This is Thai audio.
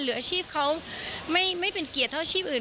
หรืออาชีพเขาไม่เป็นเกียรติเท่าชีพอื่น